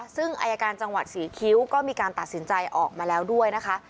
ซึ่งอายการจังหวัดศรีคิ้วก็มีการตัดสินใจออกมาแล้วด้วยนะคะ